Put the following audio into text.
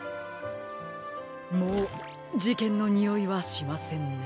もうじけんのにおいはしませんね。